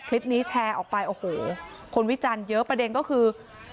คลิปนี้แชร์ออกไปโอ้โหคนวิจันทร์เยอะประเด็นก็คือ